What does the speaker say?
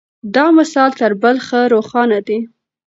دا مثال تر بل ښه روښانه دی.